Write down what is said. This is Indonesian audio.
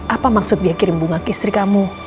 apa maksud dia kirim bunga ke istri kamu